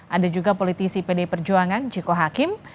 ada juga politisi pdi perjuangan jiko hakim